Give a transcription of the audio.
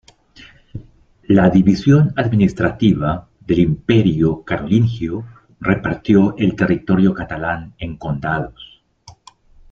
La división administrativa del Imperio Carolingio repartió el territorio catalán en condados.